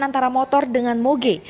antara motor dengan boge